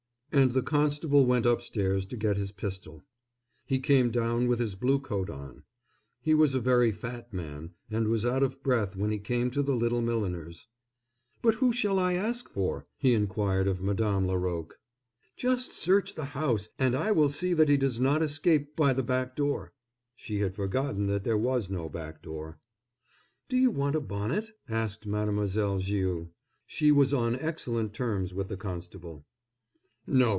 And the constable went upstairs to get his pistol. He came down with his blue coat on. He was a very fat man, and was out of breath when he came to the little milliner's. "But who shall I ask for?" he inquired of Madame Laroque. "Just search the house, and I will see that he does not escape by the back door." She had forgotten that there was no back door. "Do you want a bonnet?" asked Mademoiselle Viau. She was on excellent terms with the constable. "No!"